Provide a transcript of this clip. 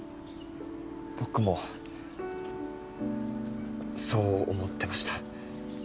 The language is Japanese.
僕もそう思ってました。